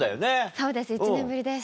そうです１年ぶりです。